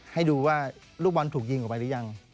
ให้ดูว่าลูกบอลถูกยิงออกไปหรือยัง